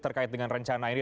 terkait dengan rencana ini